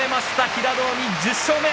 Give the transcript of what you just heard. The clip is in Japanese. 平戸海、１０勝目。